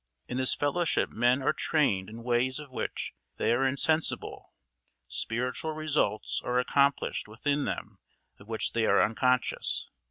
In this fellowship men are trained in ways of which they are insensible; spiritual results are accomplished within them of which they are unconscious.